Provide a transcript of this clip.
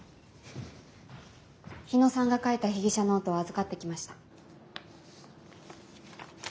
日野さんが書いた被疑者ノートを預かってきました。